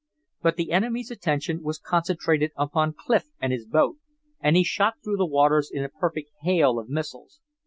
But the enemy's attention was concentrated upon Clif and his boat, and he shot through the waters in a perfect hail of missiles.